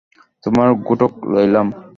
তোমার ঘােটক লইলাম।